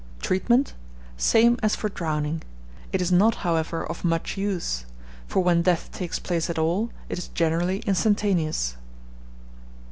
Treatment. Same as for drowning. It is not, however, of much use; for when death takes place at all, it is generally instantaneous.